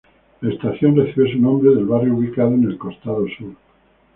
La estación recibe su nombre del barrio ubicado en el costado sur.